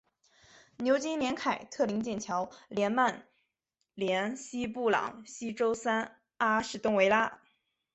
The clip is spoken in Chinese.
牛津联凯特灵剑桥联曼联西布朗锡周三阿士东维拉